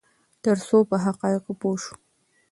ترڅو په حقایقو پوه شو.